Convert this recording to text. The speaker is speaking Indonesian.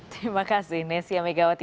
terima kasih nesya megawati